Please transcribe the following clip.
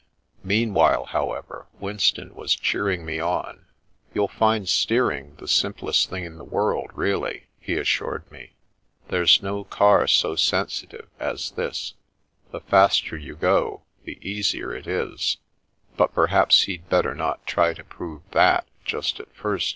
Meanwhile, however, Winston was cheering me on. " You'll find steering the simplest thing in the world, really," he assured me. " There's no car so My Lesson 37 sensitive as this. The faster you go, the easier it IS " But, perhaps he'd better not try to prove that, just at first